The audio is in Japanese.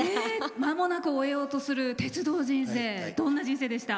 まもなく終えようとする鉄道人生、どんな人生でした？